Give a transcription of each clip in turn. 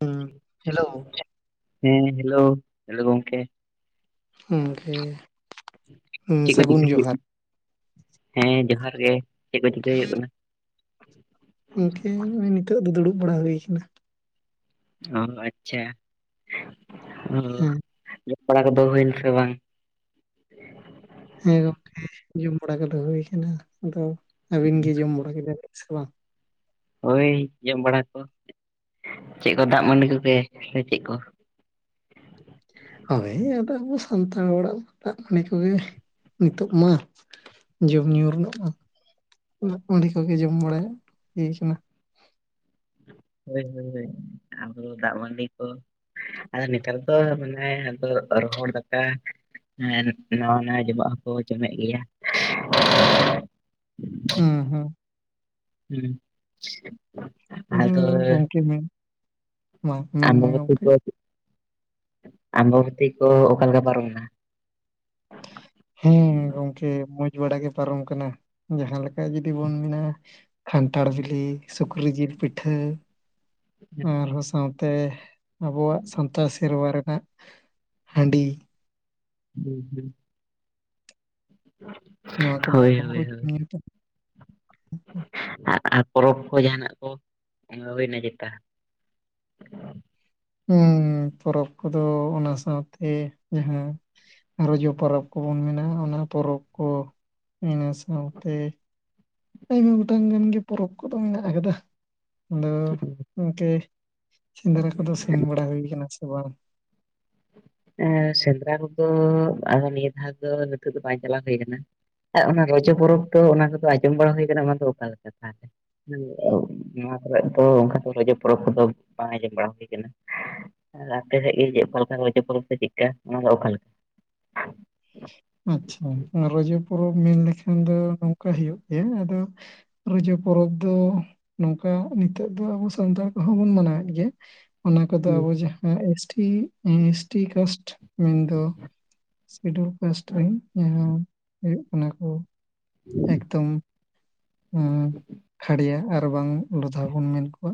ᱦᱩᱸ ᱦᱮᱞᱳ ᱦᱮᱸ hello hello ᱜᱚᱢᱠᱮ ᱜᱚᱢᱠᱮ ᱦᱩᱸ ᱪᱮᱫ ᱠᱚ ᱥᱟᱹᱜᱩᱱ ᱪᱤᱠᱟᱹ ᱦᱩᱭᱩᱜ ᱡᱚᱦᱟᱨ ᱠᱟᱱᱟ? ᱦᱮᱸ ᱡᱚᱦᱟᱨ ᱜᱮ ᱪᱮᱫ ᱠᱚ ᱪᱤᱠᱟᱹᱭ ᱦᱩᱭᱩᱜ ᱠᱟᱱᱟ ᱤᱱᱠᱟᱹ ᱱᱤᱛᱚᱜ ᱫᱚ ᱫᱩᱲᱩᱵ ᱵᱟᱲᱟ ᱦᱩᱭᱠᱟᱱᱟ ᱚ ᱟᱪᱪᱷᱟ ᱚ ᱦᱮᱸ ᱡᱚᱢ ᱵᱟᱲᱟ ᱠᱚᱫᱚ ᱦᱩᱭ ᱱᱟᱥᱮ ᱵᱟᱝ ᱦᱮᱸ ᱜᱚᱝᱠᱮ ᱡᱚᱢ ᱵᱟᱲᱟ ᱠᱚᱫᱚ ᱦᱩᱭ ᱠᱟᱱᱟ ᱟᱫᱚ ᱟᱹᱵᱤᱱ ᱜᱮ ᱡᱚᱢ ᱵᱟᱲᱟ ᱠᱮᱫᱟ ᱵᱤᱱ ᱥᱮ ᱵᱟᱝ ᱦᱳᱭ ᱡᱚᱢ ᱵᱟᱲᱟ ᱠᱚ ᱪᱮᱫ ᱠᱚ ᱫᱟᱜ ᱢᱟᱹᱰᱤ ᱠᱚᱜᱮ ᱥᱮ ᱪᱮᱫ ᱠᱚ ᱚᱱᱮ ᱟᱫᱚ ᱟᱵᱚ ᱥᱟᱱᱛᱟᱲ ᱦᱚᱲᱟᱜ ᱫᱟᱜ ᱢᱟᱰᱤ ᱠᱚᱜᱮ ᱱᱤᱛᱚᱜ ᱢᱟ ᱡᱚᱢᱼᱧᱩ ᱨᱮᱱᱟᱜᱼᱟ ᱚᱸᱰᱮ ᱠᱚᱜᱮ ᱡᱚᱢ ᱵᱟᱲᱟᱭ ᱦᱩᱭ ᱠᱟᱱᱟ ᱦᱳᱭ ᱦᱳᱭ ᱟᱵᱚ ᱫᱟᱜ ᱢᱟᱺᱰᱤ ᱠᱚ ᱟᱨ ᱱᱮᱛᱟᱨ ᱫᱚ ᱢᱟᱱᱮ ᱟᱫᱚ ᱨᱚᱦᱚᱲ ᱫᱟᱠᱟ ᱦᱮᱸ ᱱᱟᱣᱟ ᱱᱟᱣᱟ ᱡᱚᱢᱟᱜ ᱦᱚᱸᱠᱚ ᱡᱚᱢᱮᱫ ᱜᱮᱭᱟ ᱦᱩᱸ ᱦᱩᱸ ᱦᱩᱸ ᱟᱫᱚ ᱟᱫᱚᱭ ᱜᱚᱝᱠᱮ ᱢᱮᱱ ᱢᱟ ᱟᱨ ᱢᱮᱱᱢᱮ ᱠᱚᱡᱮ ᱛᱮ ᱜᱚᱝᱠᱮ ᱫᱚ [unintelligible] ᱟᱢᱵᱵᱚᱛᱤ ᱠᱚ ᱚᱠᱟ ᱞᱮᱠᱟ ᱯᱟᱨᱚᱢᱮᱱᱟ ᱦᱮᱸ ᱜᱚᱝᱠᱮ ᱢᱚᱸᱡᱽ ᱵᱟᱲᱟ ᱜᱮ ᱯᱟᱨᱚᱢ ᱟᱠᱟᱱᱟ ᱡᱟᱦᱟᱸ ᱞᱮᱠ ᱚᱱᱠᱟ ᱡᱩᱫᱤ ᱵᱚᱱ ᱢᱮᱱᱟ ᱠᱷᱟᱱᱴᱷᱟᱲ ᱵᱤᱞᱤ ᱥᱩᱠᱨᱤ ᱡᱤᱞ ᱯᱤᱴᱷᱟᱹ ᱟᱨᱦᱚᱸ ᱥᱟᱶᱛᱮ ᱟᱵᱚᱣᱟᱜ ᱥᱟᱱᱛᱟᱲ ᱥᱮᱨᱣᱟ ᱨᱮᱱᱟᱜ ᱦᱟᱺᱰᱤ ᱦᱮᱸ ᱦᱮᱸ [unintelligible] [inaudible] ᱦᱳᱭ ᱦᱳᱭ ᱦᱳᱭ [unintelligible] ᱟᱨ ᱯᱚᱨᱚᱵᱽ ᱠᱚ ᱡᱟᱦᱟᱱᱟᱜ ᱠᱚ [unintelligible] ᱦᱩᱭᱱᱟ ᱪᱮᱛᱟ ᱯᱚᱨᱚᱵᱽ ᱠᱚᱫᱚ ᱚᱱᱟ ᱥᱟᱶᱛᱮ ᱡᱟᱦᱟᱸ ᱨᱚᱡᱚ ᱯᱚᱨᱚᱵᱽ ᱠᱚᱵᱚᱱ ᱢᱮᱱᱟᱜᱼᱟ ᱚᱱᱟ ᱯᱚᱨᱚᱵᱽ ᱠᱚ ᱤᱱᱟᱹ ᱥᱟᱶᱛᱮ ᱟᱭᱢᱟ ᱜᱚᱴᱟᱝ ᱜᱟᱱ ᱜᱮ ᱯᱚᱨᱚᱵᱽ ᱠᱚᱫᱚ ᱢᱮᱱᱟᱜ ᱠᱟᱫᱟ ᱟᱫᱚ ᱜᱚᱢᱠᱮ ᱥᱮᱸᱫᱽᱨᱟ ᱠᱚᱫᱚ ᱥᱮᱱ ᱵᱟᱲᱟ ᱦᱩᱭ ᱠᱟᱱᱟ ᱥᱮ ᱵᱟᱝ ᱥᱮᱸᱫᱽᱨᱟ ᱠᱚᱫᱚ ᱱᱤᱭᱟᱹ ᱫᱷᱟᱣ ᱫᱚ ᱱᱤᱛᱚᱜ ᱫᱚ ᱵᱟᱝ ᱪᱟᱞᱟᱣ ᱦᱩᱭ ᱟᱠᱟᱱᱟ ᱟᱨ ᱚᱱᱟ ᱨᱚᱡᱚ ᱯᱚᱨᱚᱵᱽ ᱫᱚ ᱚᱱᱟ ᱠᱚᱫᱚ ᱟᱸᱡᱚᱢ ᱵᱟᱲᱟ ᱦᱩᱭ ᱠᱟᱱᱟ ᱚᱱᱟ ᱫᱚ ᱚᱠᱟ ᱞᱮᱠᱟ ᱛᱟᱦᱚᱞᱮ ᱱᱚᱣᱟ ᱠᱚᱨᱮ ᱫᱚ ᱚᱱᱠᱟ ᱨᱚᱡᱚ ᱯᱚᱨᱚᱵᱽ ᱠᱚᱫᱚ ᱵᱟᱝ ᱟᱸᱡᱚᱢ ᱵᱟᱲᱟ ᱦᱩᱭ ᱠᱟᱱᱟ ᱟᱨ ᱟᱯᱮ ᱥᱮᱫ ᱜᱮ ᱪᱮᱫ ᱚᱠᱟ ᱞᱮᱠᱟ ᱨᱚᱡᱚ ᱯᱚᱨᱚᱵᱽ ᱥᱮ ᱪᱮᱫᱠᱟ ᱚᱱᱟ ᱫᱚ ᱚᱠᱟ ᱞᱮᱠᱟ ᱟᱪᱪᱷᱟ ᱨᱚᱡᱚ ᱯᱚᱨᱚᱵᱽ ᱢᱮᱱ ᱞᱮᱠᱷᱟᱱ ᱫᱚ ᱱᱚᱝᱠᱟ ᱦᱩᱭᱩᱜ ᱜᱮᱭᱟ ᱟᱫᱚ ᱨᱚᱡᱟᱹ ᱯᱚᱨᱚᱵᱽ ᱫᱚ ᱱᱚᱝᱠᱟ ᱱᱤᱛᱚᱜ ᱫᱚ ᱟᱵᱚ ᱥᱟᱱᱛᱟᱲ ᱠᱚᱦᱚᱸ ᱵᱚᱱ ᱢᱟᱱᱟᱣᱮᱫ ᱜᱮᱭᱟ ᱚᱱᱟ ᱠᱚᱫᱚ ᱦᱩᱸ ᱟᱵᱚ ᱡᱟᱦᱟᱸ ᱮᱥᱴᱤ ᱮᱥᱴᱤ ᱠᱟᱥᱴ ᱢᱮᱱᱫᱚ ᱥᱤᱰᱩᱞ ᱠᱟᱥᱴᱨᱤᱱ ᱡᱟᱦᱟᱸ ᱦᱩᱭᱩᱜ ᱠᱟᱱᱟ ᱠᱚ ᱮᱠᱫᱚᱢ ᱠᱷᱟᱲᱭᱟ ᱟᱨ ᱵᱟᱝ ᱞᱚᱫᱷᱟ ᱵᱚᱱ ᱢᱮᱱ ᱠᱚᱣᱟ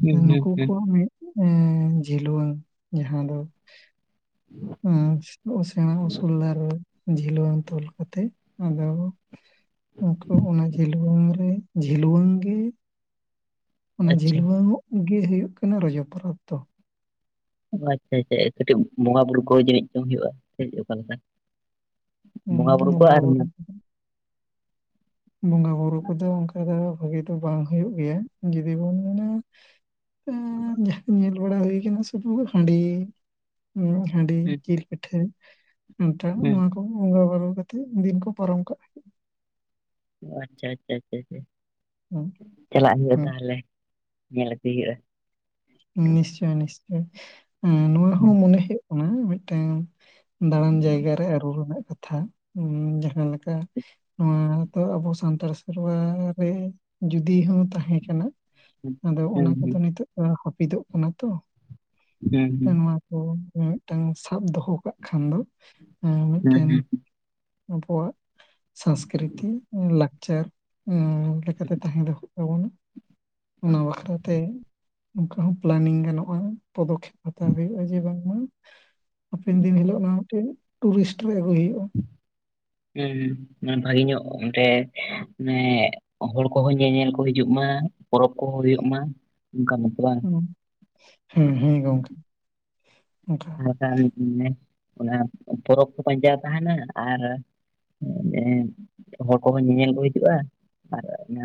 ᱦᱩᱸ ᱦᱩᱸ ᱱᱩᱠᱩ ᱦᱩᱸ ᱠᱚᱣᱟᱜ ᱢᱤᱫ ᱮ ᱡᱷᱤᱞᱣᱟᱹᱝ ᱡᱟᱦᱟᱸ ᱫᱚ ᱥᱮᱬᱟ ᱩᱥᱩᱞ ᱫᱟᱨᱮ ᱡᱷᱤᱞᱣᱟᱹᱝ ᱛᱚᱞ ᱠᱟᱛᱮᱜ ᱟᱫᱚ ᱩᱱᱠᱩ ᱚᱱᱟ ᱡᱷᱤᱞᱣᱟᱹᱝ ᱨᱮ ᱡᱷᱤᱞᱣᱟᱹᱝ ᱜᱮ ᱚᱱᱟ ᱟᱪᱪᱷᱟ ᱡᱷᱤᱞᱣᱟᱹᱝ ᱚᱜ ᱜᱮ ᱦᱩᱭᱩᱜ ᱠᱟᱱᱟ ᱨᱚᱡᱚ ᱯᱚᱨᱚᱵᱽ ᱫᱚ ᱚ ᱟᱪᱪᱷᱟ ᱟᱪᱪᱷᱟ ᱠᱟᱹᱴᱤᱡ ᱵᱚᱸᱜᱟ ᱵᱩᱨᱩ ᱠᱚ ᱡᱟᱹᱱᱤᱡ ᱪᱚᱝ ᱦᱩᱭᱩᱜᱼᱟ ᱥᱮ ᱪᱮᱫ ᱚᱠᱟᱞᱮᱠᱟ ᱵᱚᱸᱜᱟ ᱵᱩᱨᱩ ᱠᱚ ᱟᱨ ᱵᱚᱸᱜᱟ ᱵᱩᱨᱩ ᱠᱚᱫᱚ ᱚᱱᱠᱟ ᱫᱚ ᱵᱷᱟᱹᱜᱤ ᱫᱚ ᱵᱟᱝ ᱦᱩᱭᱩᱜ ᱜᱮᱭᱟ ᱡᱩᱫᱤ ᱵᱚᱱ ᱢᱮᱱᱟ ᱡᱟᱦᱟᱸ ᱠᱚ ᱧᱮᱞ ᱵᱟᱲᱟ ᱦᱩᱭ ᱠᱟᱱᱟ ᱥᱮ ᱯᱩᱨᱟᱹ ᱦᱟᱺᱰᱤ ᱦᱟᱺᱰᱤ ᱦᱩᱸ ᱡᱤᱞ ᱯᱤᱴᱷᱟᱹ ᱠᱟᱱᱴᱷᱟᱲ ᱦᱩᱸ ᱱᱚᱣᱟ ᱠᱚ ᱵᱚᱸᱜᱟ ᱵᱩᱨᱩ ᱠᱟᱛᱮᱜ ᱫᱤᱱ ᱠᱚ ᱯᱟᱨᱚᱢ ᱠᱟᱜ ᱟᱪᱪᱷᱟ ᱟᱪᱪᱷᱟ ᱟᱪᱪᱷᱟ ᱦᱮᱸ ᱪᱟᱞᱟᱜ ᱦᱩᱭᱩᱜᱼᱟ ᱦᱮᱸ ᱛᱟᱦᱚᱞᱮ ᱧᱮᱞ ᱟᱜᱩᱭ ᱦᱩᱭᱩᱜ ᱼᱟ ᱱᱤᱥᱪᱳᱭ ᱱᱤᱥᱪᱳᱭ ᱱᱚᱣᱟ ᱦᱚᱸ ᱦᱩᱸ ᱢᱚᱱᱮ ᱦᱩᱭᱩᱜ ᱠᱟᱱᱟ ᱢᱤᱫᱴᱟᱝ ᱫᱟᱬᱟᱱ ᱡᱟᱭᱜᱟ ᱨᱮ ᱟᱹᱨᱩ ᱨᱮᱱᱟᱜ ᱠᱟᱛᱷᱟ ᱡᱟᱦᱟᱸ ᱞᱮᱠᱟ ᱱᱚᱣᱟ ᱫᱚ ᱟᱵᱚ ᱥᱟᱱᱛᱟᱲ ᱥᱮᱨᱣᱟ ᱨᱮ ᱡᱩᱫᱤ ᱦᱚᱸ ᱛᱟᱦᱮᱸ ᱠᱟᱱᱟ ᱟᱫᱚ ᱦᱩᱸ ᱚᱱᱟ ᱦᱩᱸ ᱠᱚᱫᱚ ᱱᱤᱛᱚᱜ ᱫᱚ ᱦᱟᱹᱯᱤᱫᱚᱜ ᱠᱟᱱᱟ ᱛᱚ ᱦᱩᱸ ᱦᱩᱸ ᱚᱱᱟ ᱠᱚ ᱢᱤᱫᱴᱟᱝ ᱥᱟᱵ ᱫᱚᱦᱚ ᱠᱟᱜ ᱠᱷᱟᱱ ᱫᱚ ᱦᱩᱸ ᱢᱤᱫᱴᱮᱱ ᱦᱩᱸ ᱟᱵᱚᱣᱟᱜ ᱥᱚᱝᱥᱠᱨᱤᱛᱤ ᱞᱟᱠᱪᱟᱨ ᱞᱮᱠᱟᱛᱮ ᱛᱟᱦᱮᱸ ᱫᱚ ᱚᱱᱟ ᱚᱱᱟ ᱵᱟᱠᱷᱨᱟ ᱛᱮ ᱱᱚᱚᱱᱠᱟ ᱦᱚᱸ ᱯᱞᱮᱱᱤᱝ ᱜᱟᱱᱚᱜᱼᱟ ᱯᱚᱫᱚᱠᱷᱮᱯ ᱦᱟᱛᱟᱣ ᱦᱩᱭᱩᱜᱼᱟ ᱡᱮ ᱵᱟᱝᱢᱟ ᱦᱟᱯᱮᱱ ᱫᱤᱱ ᱦᱤᱞᱳᱜ ᱚᱱᱟ ᱢᱤᱫᱴᱮᱱ ᱴᱩᱨᱤᱥᱴ ᱨᱮ ᱟᱹᱜᱩᱭ ᱦᱩᱭᱩᱜᱼᱟ ᱦᱩᱸ ᱦᱩᱸ ᱢᱟᱱᱮ ᱵᱷᱟᱜᱮ ᱧᱚᱜ [unintelligible] ᱜᱚᱝᱠᱮ ᱢᱟᱱᱮ ᱦᱚᱲ ᱠᱚᱦᱚᱸ ᱧᱮᱧᱮᱞ ᱠᱚ ᱦᱤᱡᱩᱜ ᱢᱟ ᱯᱚᱨᱚᱵ ᱠᱚᱦᱚᱸ ᱦᱩᱭᱩᱜ ᱢᱟ ᱚᱱᱠᱟ ᱧᱚᱜ ᱦᱩᱸ ᱦᱩᱸ ᱜᱚᱝᱠᱮ ᱚᱱᱠᱟ ᱟᱨᱠᱷᱟᱱ ᱚᱱᱟ ᱯᱚᱨᱚᱵᱽ ᱠᱚ ᱯᱟᱸᱡᱟ ᱛᱟᱦᱮᱱᱟ ᱟᱨ ᱮ ᱦᱚᱲ ᱠᱚᱦᱚᱸ ᱧᱮᱧᱮᱞ ᱠᱚ ᱦᱤᱡᱩᱠᱚᱜᱼᱟ ᱟᱨ ᱚᱱᱟ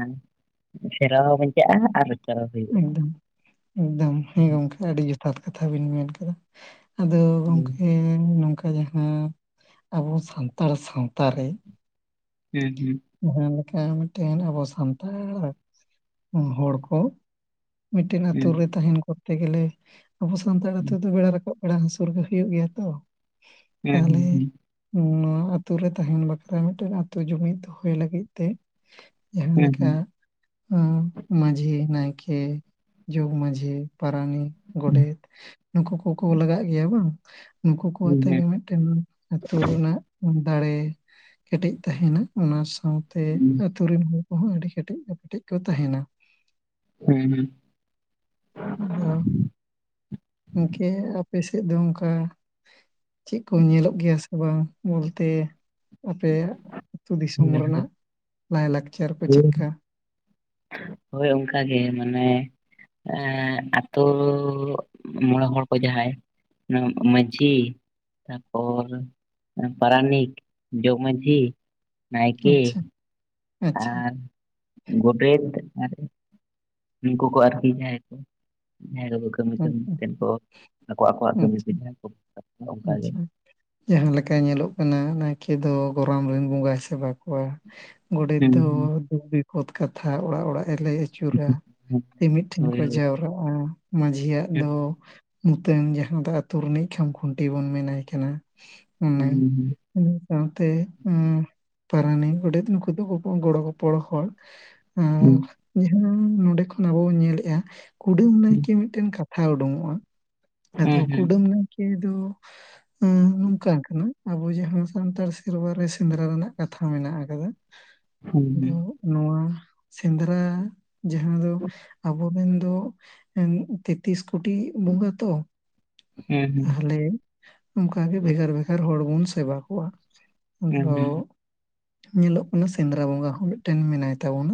ᱥᱮᱨᱣᱟ ᱵᱟᱧᱪᱟᱜᱼᱟ ᱟᱨᱪ [inaudible] ᱦᱚᱸ ᱦᱩᱭᱩᱜᱼᱟ ᱮᱠᱫᱚᱢ ᱮᱠᱫᱚᱢ ᱦᱮᱸ ᱜᱚᱝᱠᱮ ᱟᱹᱰᱤ ᱡᱚᱛᱷᱟᱛ ᱠᱟᱛᱷᱟ ᱵᱤᱱ ᱢᱮᱱ ᱠᱮᱫᱟ ᱟᱫᱚ ᱜᱚᱝᱠᱮ ᱱᱚᱝᱠᱟ ᱡᱟᱦᱟᱸ ᱟᱵᱚ ᱥᱟᱱᱛᱟᱲ ᱥᱟᱶᱛᱟ ᱨᱮ ᱦᱩᱸ ᱦᱩᱸ ᱡᱟᱦᱟᱸ ᱞᱮᱠᱟ ᱢᱤᱫᱴᱮᱱ ᱟᱵᱚ ᱥᱟᱱᱛᱟᱲ ᱦᱚᱲ ᱠᱚ ᱢᱤᱫᱴᱮᱱ ᱟᱛᱳ ᱦᱮᱸ ᱨᱮ ᱛᱟᱦᱮᱱ ᱠᱚᱨᱛᱮ ᱜᱮᱞᱮ ᱟᱵᱚ ᱥᱟᱱᱛᱟᱲ ᱟᱹᱛᱩ ᱫᱚ ᱵᱮᱲᱟ ᱨᱟᱠᱟᱵ ᱵᱮᱲᱟ ᱦᱟᱹᱥᱩᱨ ᱜᱮ ᱦᱩᱭᱩᱜ ᱜᱮᱭᱟ ᱛᱚ ᱦᱮᱸ ᱛᱟᱦᱚᱞᱮ ᱱᱚᱣᱟ ᱟᱛᱳ ᱨᱮ ᱛᱟᱦᱮᱱ ᱵᱟᱠᱷᱨᱟ ᱢᱤᱫᱴᱮᱱ ᱟᱛᱳ ᱡᱩᱢᱤᱫ ᱫᱚᱦᱚᱭ ᱞᱟᱹᱜᱤᱫ ᱛᱮ ᱡᱟᱦᱟᱸ ᱦᱮᱸ ᱦᱮᱸ ᱦᱮᱸ ᱦᱮᱸ ᱞᱮᱠᱟ ᱦᱮᱸ ᱢᱟᱺᱡᱷᱤ ᱱᱟᱭᱠᱮ ᱡᱚᱜᱽ ᱢᱟᱺᱡᱷᱤ ᱯᱟᱨᱟᱱᱤᱠ ᱜᱚᱰᱮᱛ ᱱᱩᱠᱩ ᱠᱚᱠᱚ ᱞᱟᱜᱟᱜ ᱜᱮᱭᱟ ᱵᱟᱝ ᱱᱩᱠᱩ ᱠᱚ ᱟᱛᱮᱜ ᱜᱮ ᱢᱤᱫᱴᱮᱱ ᱟᱹᱛᱩ ᱨᱮᱱᱟᱜ ᱫᱟᱲᱮ ᱠᱮᱴᱮᱡ ᱛᱟᱦᱮᱱᱟ ᱚᱱᱟ ᱥᱟᱶᱛᱮ ᱟᱛᱳ ᱨᱮᱱ ᱦᱚᱲ ᱠᱚᱦᱚᱸ ᱟᱹᱰᱤ ᱠᱮᱴᱮᱡ ᱠᱮᱴᱮᱡ ᱠᱚ ᱛᱟᱦᱮᱱᱟ ᱦᱩᱸ ᱦᱩᱸ ᱦ [inaudible] ᱜᱚᱝᱠᱮ ᱟᱯᱮ ᱥᱮᱫ ᱫᱚ ᱚᱱᱠᱟ ᱪᱮᱫ ᱠᱚ ᱧᱮᱞᱚᱜ ᱜᱮᱭᱟ ᱥᱮ ᱵᱟᱝ ᱵᱚᱞᱛᱮ ᱟᱯᱮᱭᱟᱜ ᱟᱹᱛᱩ ᱫᱤᱥᱚᱢ ᱨᱮᱱᱟᱜ ᱞᱟᱭᱼᱞᱟᱠᱪᱟᱨ ᱠᱚ ᱦᱳᱭ ᱪᱮᱫᱠᱟ ᱦᱳᱭ ᱚᱱᱠᱟ ᱜᱮ ᱢᱟᱱᱮ ᱮᱜ ᱟᱛᱳ ᱢᱚᱬᱮ ᱦᱚᱲ ᱠᱚ ᱡᱟᱦᱟᱸᱭ ᱢᱟᱺᱡᱷᱤ ᱛᱟᱨᱯᱚᱨ ᱯᱟᱨᱟᱱᱤᱠ ᱡᱚᱜᱽ ᱢᱟᱺᱡᱷᱤ ᱱᱟᱭᱠᱮ ᱟᱪᱪᱷᱟ ᱟᱪᱪᱷᱟ ᱟᱨ ᱜᱚᱰᱮᱛ ᱟᱨ ᱩᱱᱠᱩ ᱠᱚ ᱟᱨᱠᱤ ᱡᱟᱦᱟᱸ ᱠᱚ ᱡᱟᱦᱟᱸ [inaudible] ᱠᱟᱹᱢᱤ ᱠᱟᱹᱢᱤ ᱟᱪᱪᱷᱟ ᱛᱮ ᱠᱚ ᱟᱠᱚ ᱟᱠᱚᱣᱟᱜ ᱠᱟᱹᱢᱤ ᱛᱮ ᱟᱪᱪᱷᱟ [inaudible] ᱟᱪᱪᱷᱟ ᱡᱟᱦᱟᱸ ᱞᱮᱠᱟ ᱧᱮᱞᱚᱜ ᱠᱟᱱᱟ ᱱᱟᱭᱠᱮ ᱫᱚ ᱜᱚᱨᱚᱢ ᱨᱮᱱ ᱵᱚᱸᱜᱟᱭ ᱥᱮᱵᱟ ᱠᱚᱣᱟ ᱜᱚᱰᱮᱛ ᱦᱩᱸ ᱫᱚ ᱦᱩᱸ ᱫᱷᱩᱠ ᱵᱤᱯᱚᱫ ᱠᱟᱛᱷᱟ ᱚᱲᱟᱜ ᱚᱲᱟᱜ ᱮ ᱞᱟᱹᱭ ᱟᱹᱪᱩᱨᱟ ᱛᱮ ᱢᱤᱫ ᱴᱷᱮᱱ ᱦᱳᱭ ᱠᱚ ᱦᱳᱭ ᱡᱟᱣᱨᱟᱜᱼᱟ ᱢᱟᱺᱡᱷᱤᱭᱟᱜ ᱫᱚ ᱱᱚᱛᱮᱱ ᱡᱟᱦᱟᱸ ᱫᱚᱛᱳ ᱨᱤᱱᱤᱡ ᱠᱷᱟᱢ ᱠᱷᱩᱱᱴᱤ ᱵᱚᱱ ᱢᱮᱱᱟᱭ ᱠᱟᱱᱟ ᱩᱱᱤ ᱦᱩᱸ ᱦᱩᱸ ᱤᱱᱟᱹ ᱥᱟᱶᱛᱮ ᱟᱸ ᱯᱟᱨᱟᱱᱤ ᱜᱚᱵᱮᱛ ᱱᱩᱠᱩ ᱫᱚ ᱠᱚ ᱜᱚᱲᱚ ᱜᱚᱯᱚᱲᱚ ᱦᱚᱲ ᱟᱸ ᱦᱩᱸ ᱡᱟᱦᱟᱸ ᱱᱚᱸᱰᱮ ᱠᱷᱚᱱ ᱟᱵᱚ ᱵᱚᱱ ᱧᱮᱞᱮᱜᱼᱟ ᱠᱩᱰᱟᱹᱢ ᱱᱟᱭᱠᱮ ᱢᱤᱫᱴᱮᱱ ᱠᱟᱛᱷᱟ ᱛᱰᱳᱝᱚᱜᱼᱟ ᱟᱫᱚ ᱦᱩᱸ ᱠᱩᱰᱟᱹᱢ ᱱᱟᱭᱠᱮ ᱫᱚ ᱱᱚᱝᱠᱟ ᱠᱟᱱᱟ ᱟᱵᱚ ᱡᱟᱦᱟᱸ ᱥᱟᱱᱛᱟᱲ ᱥᱮᱨᱣᱟ ᱨᱮ ᱥᱮᱸᱫᱽᱨᱟ ᱨᱮᱱᱟᱜ ᱠᱟᱛᱷᱟ ᱢᱮᱱᱟᱜ ᱟᱠᱟᱫᱟ ᱦᱩᱸ ᱦᱩᱸ ᱫᱚ ᱦᱩᱸ ᱱᱚᱣᱟ ᱥᱮᱸᱫᱽᱨᱟ ᱡᱟᱦᱟᱸ ᱫᱚ ᱟᱵᱚᱨᱮᱱ ᱫᱚ ᱛᱮᱛᱤᱥ ᱠᱳᱴᱤ ᱵᱚᱸᱜᱟ ᱛᱚ ᱦᱩᱸ ᱦᱩᱸ ᱛᱟᱦᱚᱞᱮ ᱚᱱᱠᱟ ᱜᱮ ᱵᱷᱮᱜᱟᱨ ᱵᱷᱮᱜᱟᱨ ᱦᱚᱲ ᱵᱚᱱ ᱥᱮᱵᱟ ᱠᱚᱣᱟ ᱟᱫᱚ ᱦᱩᱸ ᱦᱩᱸ ᱧᱮᱞᱚᱜ ᱠᱟᱱᱟ ᱥᱮᱸᱫᱽᱨᱟ ᱵᱚᱸᱜᱟ ᱦᱚᱸ ᱢᱤᱫᱴᱮᱱ ᱢᱮᱱᱟᱭ ᱛᱟᱵᱚᱱᱟ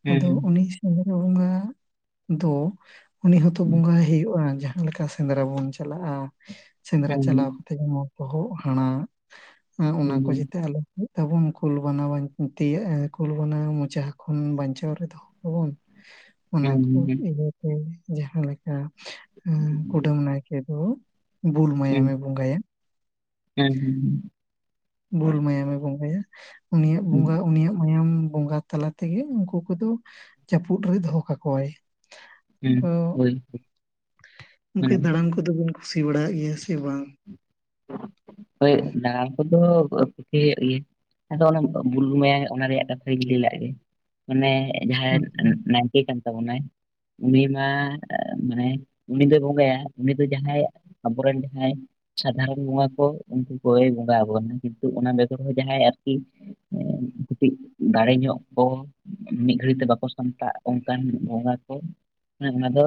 ᱦᱩᱸ ᱟᱫᱚ ᱦᱩᱸ ᱩᱱᱤ ᱥᱟᱫᱽᱨᱟ ᱵᱚᱸᱜᱟ ᱫᱚ ᱩᱱᱤ ᱦᱚᱛᱚ ᱦᱩᱸ ᱵᱚᱸᱜᱟᱭ ᱦᱩᱭᱩᱜᱼᱟ ᱡᱟᱦᱟᱸ ᱡᱟᱦᱟᱸ ᱞᱮᱠᱟ ᱥᱮᱸᱫᱽᱨᱟ ᱵᱚᱱ ᱪᱟᱞᱟᱜᱼᱟ ᱥᱮᱸᱫᱽᱨᱟ ᱦᱩᱸ ᱪᱟᱞᱟᱣ ᱠᱟᱛᱮ ᱡᱮᱢᱚᱱ ᱛᱚᱦᱚᱜ ᱦᱟᱸᱲᱟᱜ ᱮᱸ ᱦᱩᱸ ᱚᱱᱟ ᱦᱩᱸ ᱦᱩᱸ ᱦᱩᱸ ᱠᱚ ᱡᱟᱛᱮ ᱟᱞᱚ ᱛᱟᱵᱚᱱ ᱠᱩᱞ ᱵᱟᱱᱟ [unintelligible] ᱛᱤᱭᱟᱜ ᱠᱩᱞ ᱵᱟᱱᱟ ᱢᱚᱪᱟ ᱠᱷᱚᱱ ᱵᱟᱧᱪᱟᱣ ᱨᱮ ᱫᱚᱦᱚ [unintelligible] ᱚᱱᱟ ᱠᱚ ᱤᱭᱟᱹ ᱛᱮ ᱡᱟᱦᱟᱸ ᱞᱮᱠᱟ ᱠᱩᱰᱟᱹᱢ ᱱᱟᱭᱠᱮ ᱫᱚ ᱵᱩᱞ ᱢᱟᱭᱟᱢᱮ ᱵᱚᱸᱜᱟᱭᱟ᱾ ᱦᱮᱸ ᱦᱮᱸ ᱵᱞ ᱢᱟᱭᱟᱢᱮ ᱵᱚᱸᱜᱟᱭᱟ ᱩᱱᱤᱭᱟᱜ ᱦᱩᱸ ᱵᱚᱸᱜᱟ ᱩᱱᱤᱭᱟᱜ ᱢᱟᱭᱟᱢ ᱵᱚᱸᱜᱟ ᱛᱟᱞᱟ ᱛᱮᱜᱮ ᱩᱱᱠᱩ ᱠᱚᱫᱚ ᱡᱟᱹᱯᱩᱫ ᱨᱮ ᱫᱚᱦᱚ ᱠᱟᱠᱚᱣᱟᱭ ᱦᱩᱸ ᱦᱳᱭ ᱟᱫᱚ ᱠᱩ ᱢᱟᱱᱮ ᱫᱟᱬᱟᱱ ᱠᱚᱫᱚ ᱵᱚᱱ ᱠᱩᱥᱤ ᱵᱟᱲᱟᱜ ᱜᱮᱭᱟ ᱥᱮ ᱵᱟᱝ? [inaudible] ᱦᱳᱭ ᱫᱟᱬᱟ ᱠᱚᱫᱚ [unintelligible] ᱦᱮᱸ ᱟᱫᱚ ᱚᱱᱟ ᱵᱩᱞ ᱢᱮᱟᱭᱟ ᱚᱱᱟ ᱨᱮᱭᱟᱜ ᱠᱟᱛᱷᱟᱜ ᱞᱟᱹᱭ ᱞᱟᱫ ᱜᱮ ᱢᱟᱱᱮ ᱡᱟᱦᱟᱸ ᱛᱟᱵᱚᱱᱟᱭ ᱩᱱᱤ ᱢᱟ ᱢᱟᱱᱮ ᱩᱱᱤ ᱫᱚᱭ ᱵᱚᱸᱜᱟᱭᱟ ᱩᱱᱤ ᱫᱚ ᱡᱟᱦᱟᱸᱭ ᱟᱵᱚᱨᱮᱱ ᱡᱟᱦᱟᱭ ᱥᱟᱫᱷᱟᱨᱚᱱ ᱵᱚᱸᱜᱟ ᱠᱚ ᱩᱱᱠᱩ ᱠᱚᱭ ᱵᱚᱸᱜᱟ ᱟᱠᱚ ᱠᱟᱱᱟ ᱠᱤᱱᱛᱩ ᱚᱱᱟ ᱵᱮᱜᱚᱨ ᱦᱚᱸ ᱡᱟᱦᱟᱸᱭ ᱟᱨᱠᱤ ᱠᱟᱹᱴᱤᱡ ᱫᱟᱲᱮ ᱧᱚᱜ ᱠᱚ ᱢᱤᱫ ᱜᱷᱟᱹᱲᱤ ᱛᱮ ᱵᱟᱠᱚ ᱥᱟᱢᱴᱟᱜ ᱚᱱᱠᱟᱱ ᱵᱚᱸᱜᱟ ᱠᱚ ᱚᱱᱟ ᱫᱚ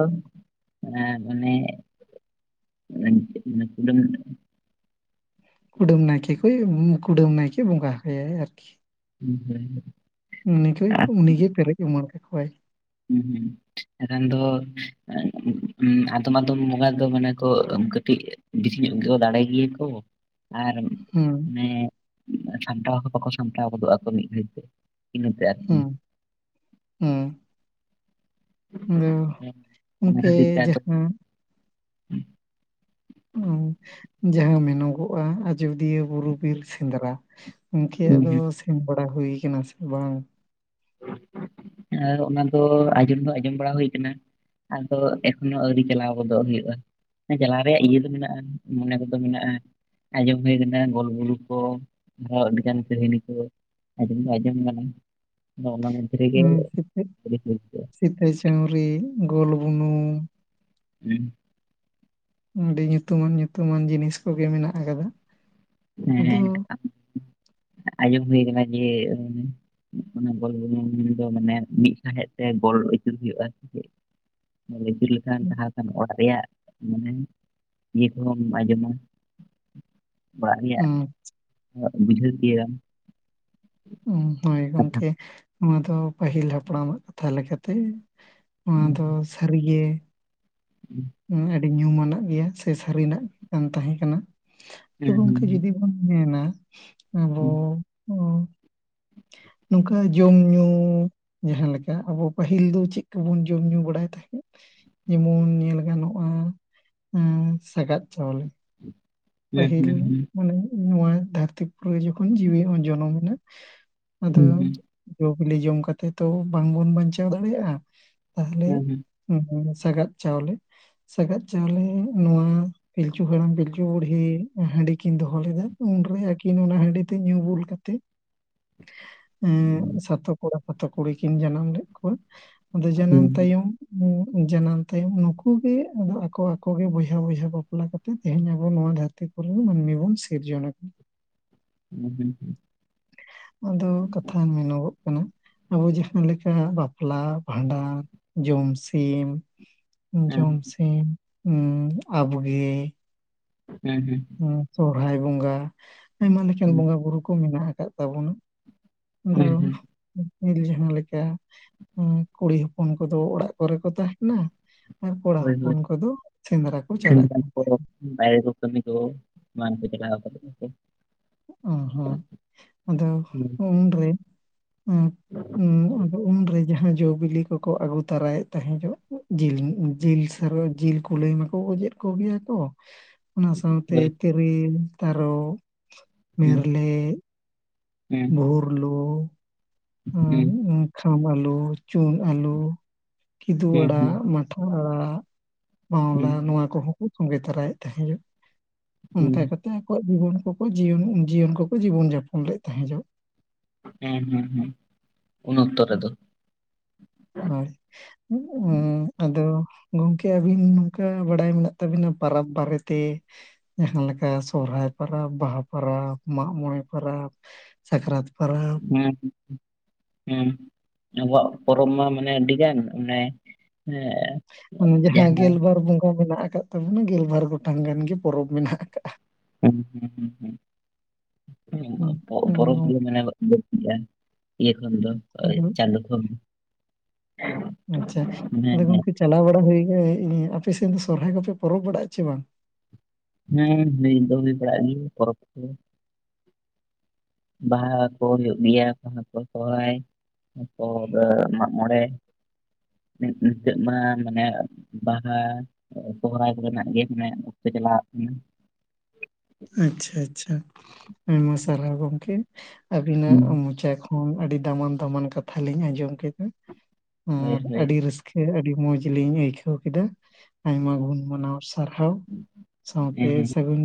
ᱟᱨ ᱢᱟᱱᱮ [unintelligible] ᱠᱩᱰᱟᱹᱢ ᱱᱟᱭᱠᱮ ᱠᱚ ᱠᱩᱰᱟᱹᱢ ᱱᱟᱭᱠᱮ ᱵᱚᱸᱜᱟ ᱟᱭᱟᱭ ᱟᱨᱠᱤ ᱦᱮᱸ ᱦᱮᱸ ᱩᱱᱤ ᱠᱚ ᱩᱱᱤᱜᱮ ᱯᱮᱨᱮᱡ ᱩᱢᱟᱹᱲ ᱠᱟᱠᱚᱣᱟᱭ᱾ ᱦᱩᱸ ᱦᱩᱸ [unintelligible] ᱫᱚ ᱟᱫᱚᱢ ᱟᱫᱚᱢ ᱵᱚᱸᱜᱟ ᱫᱚ ᱢᱟᱱᱮ ᱠᱚ ᱠᱟᱹᱴᱤᱡ ᱵᱮᱥᱤ ᱧᱚᱜ ᱜᱮ ᱫᱟᱲᱮ ᱜᱮᱭᱟ ᱠᱚ᱾ ᱟᱨ ᱦᱩᱸ ᱟᱱᱮ ᱥᱟᱢᱴᱟᱣ ᱦᱚᱸ ᱵᱟᱠᱚ ᱥᱟᱢᱴᱟᱣ ᱜᱚᱫᱚᱜᱼᱟᱚ ᱢᱤᱫ ᱜᱷᱟᱹᱲᱤᱡᱛᱮ ᱤᱱᱟᱹᱛᱮ ᱟᱨᱠᱤ ᱦᱮᱸ ᱟᱫᱚ ᱚᱱᱟ ᱜᱚᱝᱠᱮ ᱠᱷᱟᱹᱛᱤᱨ ᱛᱮ ᱟᱫᱚ ᱡᱟᱦᱟᱸ ᱡᱟᱦᱟᱸ ᱢᱮᱱᱚᱜᱚᱜᱼᱟ ᱟᱡᱳᱫᱤᱭᱟᱹ ᱵᱩᱨᱩ ᱵᱤᱨ ᱥᱮᱸᱫᱽᱨᱟ᱾ ᱜᱚᱝᱠᱮ ᱦᱩᱸ ᱟᱫᱚ ᱦᱩᱸ ᱥᱮᱱ ᱵᱟᱲᱟ ᱦᱩᱭᱩ ᱟᱠᱟᱱᱟ ᱥᱮ ᱵᱟᱝ? ᱟᱨ ᱚᱱᱟ ᱫᱚ ᱟᱸᱡᱚᱢ ᱫᱚ ᱟᱸᱡᱚᱢ ᱵᱟᱲᱟ ᱦᱩᱭ ᱟᱠᱟᱱᱟ ᱟᱫᱚ ᱮᱠᱷᱚᱱᱳ ᱟᱣᱨᱤ ᱪᱟᱞᱟᱣ ᱜᱚᱫᱚᱜ ᱦᱩᱭᱩᱜᱼᱟ᱾ ᱦᱮᱸ ᱪᱟᱞᱟᱣ ᱨᱮᱭᱟᱜ ᱤᱭᱟᱹ ᱫᱚ ᱢᱮᱱᱟᱜᱼᱟ ᱢᱚᱱᱮ ᱠᱚᱫᱚ ᱢᱮᱱᱟᱜᱼᱟ ᱟᱸᱡᱚᱢ ᱦᱩᱭ ᱟᱠᱟᱱᱟ ᱜᱳᱞ ᱵᱩᱨᱩ ᱠᱚ ᱟᱨᱚᱸ ᱟᱹᱰᱤᱜᱟᱱ ᱠᱟᱹᱦᱱᱤ ᱠᱚ ᱟᱡᱚᱢ ᱫᱚ ᱟᱡᱚᱢ ᱠᱟᱱᱟ ᱚ ᱚᱱᱟ ᱥᱤᱛ ᱟᱹᱣᱨᱤ ᱦᱩᱭ ᱠᱚᱜᱼᱟ ᱥᱤᱛ ᱥᱩᱛᱟᱹᱢ ᱪᱟᱹᱣᱨᱤ ᱜᱳᱞ ᱵᱩᱱᱩᱢ ᱦᱮᱸ ᱟᱹᱰᱤ ᱧᱩᱛᱩᱢᱟᱱ ᱧᱩᱛᱩᱢᱟᱱ ᱡᱤᱱᱤᱥ ᱠᱚᱜᱮ ᱢᱮᱱᱟᱜ ᱟᱠᱟᱫᱟ᱾ ᱦᱮ ᱟᱫᱚ ᱟᱡᱚᱢ ᱦᱳᱭ ᱟᱠᱟᱱᱟ ᱡᱮ ᱚᱱᱟ ᱜᱚᱞ [unintelligible] ᱫᱚ ᱢᱟᱱᱮ ᱢᱤᱫ ᱥᱟᱦᱮᱫ ᱛᱮ ᱜᱚᱞ ᱟᱹᱪᱩᱨ ᱦᱩᱭᱩᱜᱼᱟ ᱟᱹᱪᱩᱨ ᱞᱮᱠᱷᱟᱱ ᱠᱷᱟᱱ ᱚᱲᱟᱜ ᱨᱮᱭᱟᱜ ᱢᱟᱱᱮ ᱤᱭᱟᱹ ᱠᱚᱦᱚᱢ ᱟᱸᱡᱚᱢᱟ ᱚᱲᱟᱜ ᱨᱮᱭᱟᱜ ᱩᱸ ᱵᱩᱡᱷᱟᱹᱣ ᱜᱮᱭᱟᱢ ᱦᱳᱭ ᱜᱚᱢᱠᱮ ᱱᱚᱣᱟ ᱫᱚ ᱯᱟᱹᱦᱤᱞ ᱦᱟᱯᱲᱟᱢᱟᱜ ᱠᱟᱛᱷᱟ ᱞᱮᱠᱟᱛᱮ ᱱᱚᱣᱟ ᱫᱚ ᱥᱟᱹᱨᱜᱮ ᱦᱩᱸ ᱟᱹᱰᱤ ᱧᱩᱢᱟᱱᱟᱜ ᱜᱮᱭᱟ ᱥᱮ ᱥᱟᱹᱨᱤᱱᱟᱜ ᱜᱮ ᱠᱟᱱ ᱛᱟᱦᱮᱸ ᱠᱟᱱᱟ ᱟᱫᱚ ᱦᱩᱸ ᱜᱚᱝᱠᱮ ᱡᱩᱫᱤ ᱵᱚᱱ ᱢᱮᱱᱟ ᱟᱵᱚ ᱦᱩᱸ ᱱᱚᱝᱠᱟ ᱡᱚᱢ ᱧᱩ ᱡᱟᱦᱟᱸᱮ ᱞᱮᱠᱟ ᱟᱵᱚ ᱯᱟᱹᱦᱤᱞ ᱫᱚ ᱪᱮᱫ ᱠᱚᱵᱚᱱ ᱡᱚᱢ ᱧᱩ ᱵᱟᱲᱟᱭ ᱛᱟᱦᱮᱸᱫ ᱡᱮᱢᱚᱱ ᱧᱮᱞ ᱜᱟᱱᱚᱜᱼᱟ ᱥᱜᱟᱫ ᱪᱟᱣᱞᱮ ᱦᱩᱸ ᱦᱩᱸ ᱦᱩᱸ ᱦᱩᱸ ᱯᱟᱹᱦᱤᱞ ᱦᱩᱸ ᱢᱟᱱᱮ ᱱᱚᱣᱟ ᱫᱷᱟᱹᱨᱛᱤ ᱯᱩᱨᱤ ᱨᱮ ᱡᱚᱠᱷᱚᱱ ᱡᱤᱣᱤ ᱡᱚᱱᱚᱢᱮ ᱮᱱᱟ ᱟᱫᱚ ᱦᱩᱸ ᱦᱩᱸ ᱡᱚᱼ ᱵᱤᱞᱤ ᱡᱚᱢ ᱠᱟᱛᱮ ᱛᱚ ᱵᱟᱝᱵᱚᱱ ᱵᱟᱧᱪᱟᱣ ᱫᱟᱲᱮᱭᱟᱜᱼᱟ ᱾ ᱛᱟᱦᱚᱞᱮ ᱥᱟᱜᱟᱫ ᱪᱟᱣᱞᱮ ᱥᱟᱜᱟᱫ ᱪᱟᱣᱞᱮ ᱱᱚᱣᱟ ᱯᱤᱞᱪᱩ ᱦᱮᱲ ᱯᱤᱞᱤᱩ ᱠᱩᱲ ᱦᱟᱺᱰᱤ ᱠᱤᱱ ᱫᱚᱦᱚ ᱞᱮᱫᱟ ᱩᱱᱨᱮ ᱟᱹᱠᱤᱱ ᱚᱱᱟ ᱦᱟᱺᱰᱤ ᱛᱮ ᱧᱩ ᱵᱩᱞ ᱠᱟᱛᱮᱮᱫ [inaudible] ᱩ ᱥᱟᱛᱷᱳ ᱠᱚᱲᱟ ᱥᱟᱛᱷᱳ ᱠᱩᱲᱤ ᱠᱤᱱ ᱡᱟᱱᱟᱢ ᱞᱮᱫ ᱠᱚᱣᱟ ᱚᱵᱮᱸ ᱡᱟᱱᱟᱢ ᱛᱟᱭᱚᱢ ᱡᱟᱱᱟᱢ ᱛᱟᱭᱚᱢ ᱱᱩᱠᱩᱜ ᱜᱮ ᱟᱫᱚ ᱟᱠᱚ ᱟᱠᱚ ᱜᱮ ᱵᱚᱭᱦᱟ ᱵᱚᱭᱦᱟ ᱵᱟᱯᱞᱟ ᱠᱟᱛᱮ ᱛᱮᱦᱮᱧ ᱟᱵᱚ ᱱᱚᱣᱟ ᱢᱟᱹᱱᱢᱤ ᱵᱚᱱ ᱥᱤᱨᱡᱚᱱ ᱟᱠᱟᱱ ᱦᱩᱸ ᱦᱩᱸ ᱦᱩᱸ ᱟᱫᱚ ᱠᱟᱛᱷᱟ ᱢᱮᱱᱚᱜ-ᱚᱜ ᱟᱵᱚ ᱡᱟᱦᱟᱸ ᱞᱮᱠᱟ ᱵᱟᱯᱞᱟ ᱵᱷᱟᱸᱰᱟᱱ ᱡᱚᱢᱥᱤᱢ ᱡᱚᱢᱥᱤᱢ ᱱᱩᱭ ᱟᱵᱽᱜᱮ ᱦᱮᱸ ᱦᱮᱸ ᱥᱚᱨᱦᱟᱭ ᱵᱚᱸᱜᱟ ᱟᱭᱢᱟ ᱞᱮᱠᱟᱱ ᱵᱚᱸᱜᱟ ᱵᱩᱨᱩ ᱠᱚ ᱢᱮᱱᱟᱜ ᱟᱠᱟᱫ ᱛᱟᱵᱚᱱᱟ ᱾ ᱟᱫᱚ ᱦᱩᱸ ᱦᱩᱸ ᱯᱟᱦᱤᱞ ᱡᱟᱦᱟ ᱞᱮᱠᱟ ᱠᱩᱲᱤ ᱦᱚᱯᱚᱱ ᱠᱚᱫᱚ ᱚᱲᱟᱜ ᱠᱚᱨᱮ ᱠᱚ ᱛᱟᱦᱮᱸᱱᱟ ᱟᱨ ᱠᱚᱲᱟ ᱦᱳᱭ ᱦᱚᱯᱚᱱ ᱦᱳᱭ ᱠᱚᱫᱚ ᱥᱮᱸᱫᱽᱨᱟ ᱠᱚ ᱪᱟᱞᱟᱜ ᱥᱮᱸᱫᱽᱨᱟ ᱠᱟᱱ ᱠᱚ ᱾ ᱵᱟᱭᱨᱮ ᱠᱟᱹᱢᱤ ᱫᱚ ᱩ ᱦᱩ ᱟᱫᱚ ᱩᱱᱨᱮ ᱩ ᱩ ᱟᱫᱚ ᱩᱱᱨᱮ ᱡᱟᱦᱟᱸ ᱡᱚᱼ ᱵᱤᱞᱤ ᱠᱚᱠᱚ ᱟᱹᱜᱩ ᱛᱟᱨᱟᱭᱮᱫ ᱛᱟᱦᱮᱸ ᱡᱚᱜ ᱡᱤᱞ ᱡᱤᱞ ᱥᱟᱨᱣᱟ ᱡᱤᱞ ᱠᱚ ᱞᱟᱹᱭ ᱢᱟᱠᱚ ᱠᱚ ᱜᱮᱭᱟ ᱛᱚ ᱚᱱᱟ ᱥᱟᱶᱛᱮ ᱦᱳᱭ ᱛᱮᱨᱮᱞ ᱛᱟᱨᱚᱵ ᱦᱩᱸ ᱢᱮᱨᱞᱮ ᱦᱩᱸ ᱵᱷᱩᱨᱞᱩ ᱦᱩᱸ ᱠᱷᱟᱢ ᱟᱞᱩ ᱪᱩᱱ ᱟᱞᱩ ᱠᱤᱫᱩ ᱦᱩᱸ ᱟᱲᱟᱜ ᱦᱩᱸ ᱢᱟᱴᱷᱟ ᱟᱲᱟᱜ ᱵᱟᱣᱞᱟ ᱦᱩᱸ ᱱᱚᱣᱟ ᱠᱚᱦᱚᱸ ᱠᱚ ᱠᱟᱹᱢᱤ ᱛᱚᱨᱟᱭᱮᱫ ᱛᱟᱦᱮᱸᱫ ᱾ ᱦᱩᱸ ᱚᱱᱠᱟ ᱠᱟᱛᱮᱫ ᱟᱠᱚᱣᱟᱜ ᱡᱤᱵᱚᱱ ᱠᱚᱠᱚ ᱡᱤᱭᱚᱱ ᱡᱤᱭᱚᱱ ᱠᱚᱠᱚ ᱡᱤᱵᱚᱱ ᱡᱟᱯᱚᱱ ᱞᱮᱫ ᱛᱟᱦᱮᱸ ᱡᱚᱜ ᱦᱮᱸ ᱦᱩᱸ ᱦᱩᱸ ᱟᱫᱚ ᱜᱚᱢᱠᱮ ᱟᱹᱵᱤᱱ ᱱᱚᱝᱠᱟ ᱵᱟᱲᱟᱭ ᱢᱮᱱᱟᱜ ᱛᱟᱹᱵᱤᱱᱟ ᱯᱟᱨᱚᱵᱽ ᱵᱟᱨᱮᱛᱮ ᱡᱟᱦᱟ ᱞᱮᱠᱟ ᱥᱚᱦᱨᱟᱭ ᱯᱟᱨᱟᱵᱽ ᱵᱟᱦᱟ ᱯᱟᱨᱟᱵᱽ ᱢᱟᱜ-ᱢᱚᱬᱮ ᱯᱟᱨᱟᱵᱽ ᱥᱟᱠᱨᱟᱛ ᱦᱮᱸ ᱦᱩᱸ ᱦᱩᱸ ᱦᱮᱸ ᱟᱵᱚᱣᱟᱜ ᱯᱚᱨᱚᱵᱽ ᱢᱟ ᱢᱟᱱᱮ ᱟᱹᱰᱤ ᱜᱟᱱ ᱢᱟᱱᱮ ᱮ ᱚᱱᱟ ᱡᱟᱦᱟ ᱜᱮᱞᱵᱟᱨ ᱵᱚᱸᱜᱟ ᱢᱮᱱᱟᱜ ᱟᱠᱟᱫ ᱛᱟᱵᱚᱱᱟ ᱜᱮᱞᱵᱟᱨ ᱜᱚᱴᱟᱝ ᱜᱟᱱ ᱜᱮ ᱯᱚᱨᱚᱵᱽ ᱢᱮᱱᱟᱜ ᱟᱠᱟᱜᱼᱟ ᱦᱩᱸ ᱦᱩᱸ ᱦᱩᱸ ᱦᱩᱸ ᱯᱚ-ᱯᱚᱨᱚᱵᱽ ᱢᱟᱱᱮᱫᱚᱜ ᱤᱭᱟᱹ ᱠᱷᱚᱱ ᱫᱚ ᱪᱟᱸᱫᱳ ᱫᱚ ᱟᱪᱪᱷᱟ ᱟᱫᱚ ᱜᱚᱝᱠᱮ ᱪᱟᱞᱟᱣ ᱵᱟᱲᱟ ᱦᱩᱭ ᱠᱟᱱᱟ ᱟᱯᱮ ᱥᱮᱫ ᱥᱚᱨᱦᱟᱭ ᱠᱚᱯᱮ ᱯᱚᱨᱚᱵᱽ ᱵᱟᱲᱟᱜ-ᱟ ᱪᱮ ᱵᱟᱝ? [inaudible] [unintelligible] ᱵᱟᱦᱟ ᱠᱚ ᱦᱩᱭᱩᱜ ᱜᱮᱭᱟ ᱚᱨ ᱢᱟᱜ ᱢᱚᱬᱮ ᱱᱤᱛᱚᱜ ᱢᱟ ᱢᱟᱱᱮ ᱵᱟᱦᱟ ᱥᱚᱦᱚᱨᱟᱭ ᱠᱚᱨᱮᱱᱟᱜ ᱜᱮ ᱢᱟᱱᱮ ᱚᱠᱛᱮ ᱪᱟᱞᱟᱜ ᱟᱪᱪᱷᱟ ᱟᱪᱪᱷᱟ ᱟᱭᱢᱟ ᱥᱟᱨᱦᱟᱣ ᱜᱚᱝᱠᱮ ᱟᱵᱤᱱᱟᱜ ᱦᱩᱸ ᱢᱚᱪᱟ ᱠᱷᱚᱱ ᱟᱹᱰᱤ ᱫᱟᱢᱟᱱ ᱫᱟᱢᱟᱱ ᱠᱟᱛᱷᱟ ᱞᱤᱧ ᱟᱸᱡᱚᱢ ᱠᱮᱫᱟ ᱦᱳᱭ ᱟᱨ ᱦᱳᱭ ᱟᱹᱰᱤ ᱨᱟᱹᱥᱠᱟᱹ ᱟᱹᱰᱤ ᱢᱚᱸᱡᱽ ᱞᱤᱧ ᱟᱹᱭᱠᱟᱹᱣ ᱠᱮᱫᱟ ᱾ ᱟᱭᱢᱟ ᱜᱩᱱ ᱢᱟᱱᱟᱣ ᱥᱟᱨᱦᱟᱣ ᱥᱟᱶᱛᱮ ᱦᱮᱸ ᱥᱟᱹᱜᱩᱱ